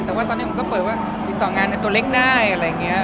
แต่ว่าตอนนี้ผมก็เปิดว่าติดต่องานในตัวเล็กได้อะไรอย่างนี้